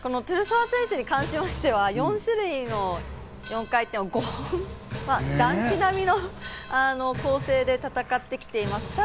トゥルソワ選手に関しましては、４種類の４回転を５本、男子並みの構成で戦ってきています。